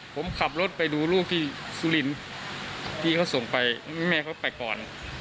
ผมขับรถไปดูลูกที่สุรินทร์ที่เขาส่งไปแม่เขาไปก่อน